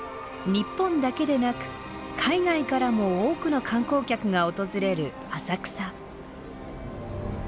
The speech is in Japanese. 日本だけでなく海外からも多くの観光客が訪れる浅草。